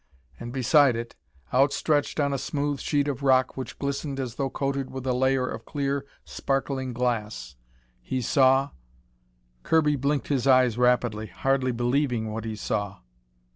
And beside it, outstretched on a smooth sheet of rock which glistened as though coated with a layer of clear, sparkling glass, he saw Kirby blinked his eyes rapidly, hardly believing what he saw.